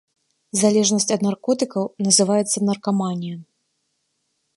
Залежнасць ад наркотыкаў называецца наркаманія.